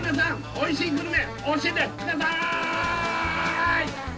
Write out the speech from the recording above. おいしいグルメ教えてください